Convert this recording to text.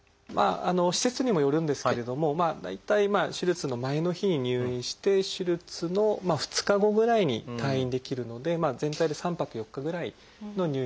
施設にもよるんですけれども大体手術の前の日に入院して手術の２日後ぐらいに退院できるので全体で３泊４日ぐらいの入院で済みますね。